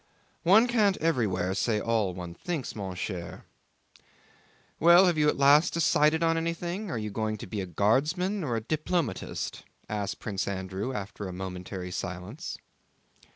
"One can't everywhere say all one thinks, mon cher. Well, have you at last decided on anything? Are you going to be a guardsman or a diplomatist?" asked Prince Andrew after a momentary silence.